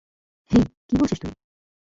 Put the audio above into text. হেই, কী বলছিস তুই?